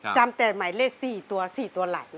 จำแต่หมายเรียก๔ตัว๔ตัวหลัก